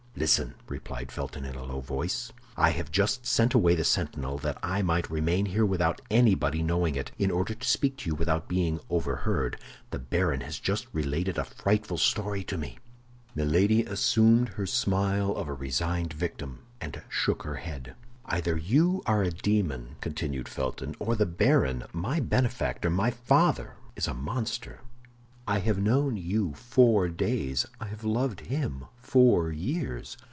"Listen," replied Felton, in a low voice. "I have just sent away the sentinel that I might remain here without anybody knowing it, in order to speak to you without being overheard. The baron has just related a frightful story to me." Milady assumed her smile of a resigned victim, and shook her head. "Either you are a demon," continued Felton, "or the baron—my benefactor, my father—is a monster. I have known you four days; I have loved him four years.